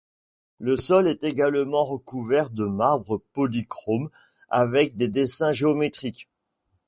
Le sol est également recouvert de marbre polychrome avec des dessins géométriques.